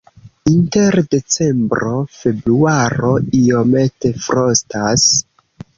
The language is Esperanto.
Inter decembro-februaro iomete frostas.